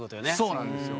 そうなんですよ。